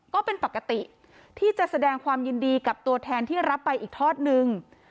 ก็เป็นปกติที่จะแสดงความยินดีกับตัวแทนที่รับไปอีกทอดนึง